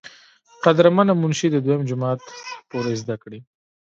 قدر مند منشي د دويم جمات پورې زدکړې